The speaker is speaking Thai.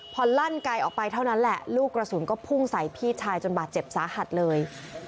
พอลั่นไกลออกไปเท่านั้นแหละลูกกระสุนก็พุ่งใส่พี่ชายจนบาดเจ็บสาหัสเลย